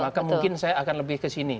maka mungkin saya akan lebih kesini